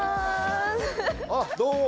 あっどうも！